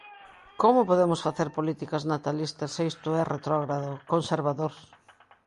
¡Como podemos facer políticas natalistas se isto é retrógrado, conservador!